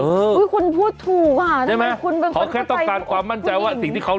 โอ้ยคุณพูดถูกอะแล้วมั้ยคุณเป็นคำว่าใจอีกสิ